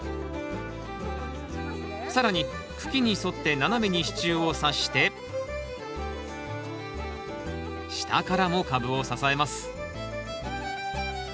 更に茎に沿って斜めに支柱をさして下からも株を支えます